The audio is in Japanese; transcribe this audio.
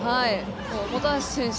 本橋選手